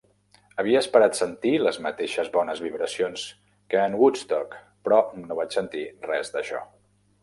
Havia esperat sentir les mateixes bones vibracions que en Woodstock, però no vaig sentir res d'això.